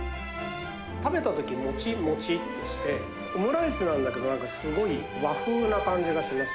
食べたときに、もちっもちっとして、オムライスなんだけど、なんかすごい和風な感じがします。